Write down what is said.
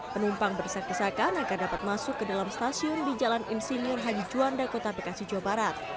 penumpang berdesak desakan agar dapat masuk ke dalam stasiun di jalan insinyur haji juanda kota bekasi jawa barat